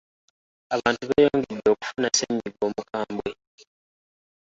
Abantu beeyongedde okufuna ssennyiga omukambwe.